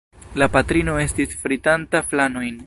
La patrino estis fritanta flanojn.